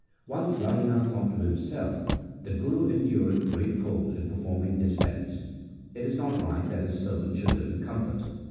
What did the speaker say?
Once Lahina thought to himself, ' The Guru endureth great cold in performing his penance. It is not right that his servant should live in comfort.'